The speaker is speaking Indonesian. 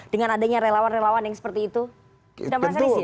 dengan adanya relawan relawan yang seperti itu